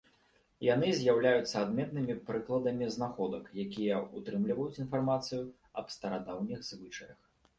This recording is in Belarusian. Яны з'яўляюцца адметнымі прыкладамі знаходак, якія ўтрымліваюць інфармацыю аб старадаўніх звычаях.